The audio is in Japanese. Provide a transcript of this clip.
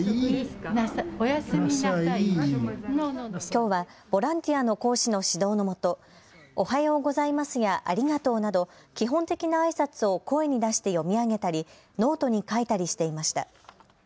きょうはボランティアの講師の指導のもとおはようございますやありがとうなど基本的なあいさつを声に出して読み上げたりノートに書いたりしていました。